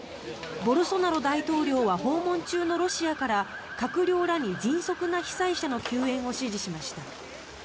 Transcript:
ボルソナロ大統領は訪問中のロシアから閣僚らに迅速な被災者の救援を指示しました。